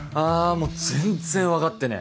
もう全然分かってねえ